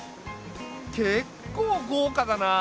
結構豪華だな！